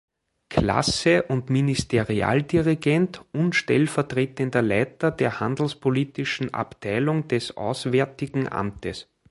Klasse und Ministerialdirigent und stellvertretender Leiter der Handelspolitischen Abteilung des Auswärtigen Amtes.